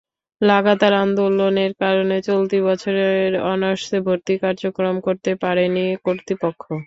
লাগাতার আন্দোলনের কারণে চলতি বছরের অনার্সে ভর্তি কার্যক্রম শুরু করতে পারেনি কর্তৃপক্ষ।